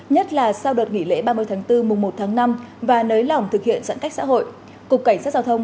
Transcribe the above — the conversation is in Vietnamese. nhất là sau đợt nghỉ lễ ba mươi bốn một năm và nới lỏng thực hiện giãn cách xã hội cục cảnh sát giao thông